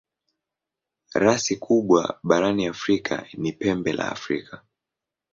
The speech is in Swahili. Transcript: Rasi kubwa barani Afrika ni Pembe la Afrika.